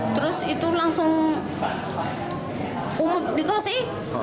terus itu langsung umut dikos sih